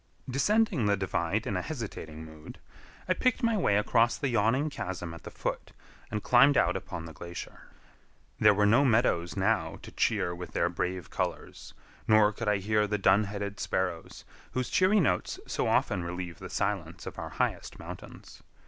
Descending the divide in a hesitating mood, I picked my way across the yawning chasm at the foot, and climbed out upon the glacier. There were no meadows now to cheer with their brave colors, nor could I hear the dun headed sparrows, whose cheery notes so often relieve the silence of our highest mountains.